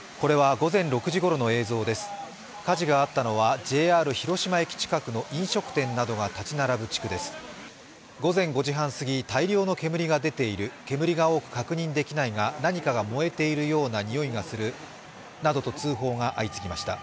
午前５時半すぎ、大量の煙が出ている、煙が多く確認できないが何かが燃えているような臭いがするなどと通報が相次ぎました。